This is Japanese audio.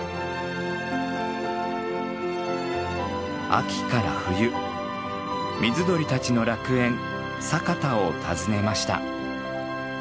秋から冬水鳥たちの楽園佐潟を訪ねました。